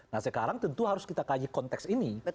nah sekarang tentu harus kita kaji konteks ini